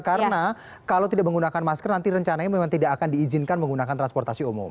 karena kalau tidak menggunakan masker nanti rencananya memang tidak akan diizinkan menggunakan transportasi umum